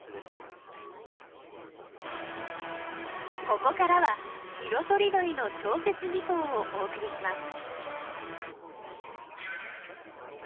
ここからはいろとりどりの超絶技巧をお送りします。